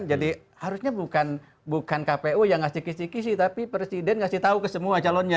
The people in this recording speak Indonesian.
jadi harusnya bukan kpu yang ngasih kisi kisi tapi presiden ngasih tahu ke semua calonnya